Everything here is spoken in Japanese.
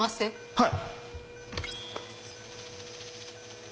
はい。